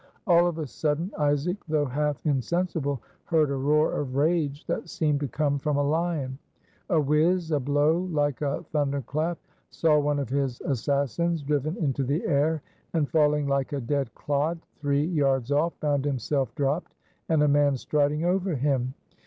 All of a sudden Isaac, though half insensible, heard a roar of rage that seemed to come from a lion a whiz, a blow like a thunder clap saw one of his assassins driven into the air and falling like a dead clod three yards off, found himself dropped and a man striding over him.